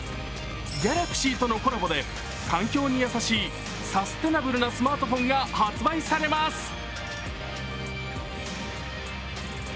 Ｇａｌａｘｙとのコラボで環境に優しいサステイナブルなスマートフォンが発売されます。